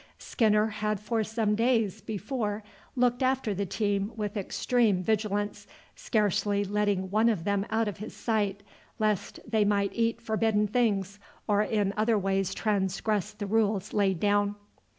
Skinner had for some days before looked after the team with extreme vigilance, scarcely letting one of them out of his sight, lest they might eat forbidden things, or in other ways transgress the rules laid down.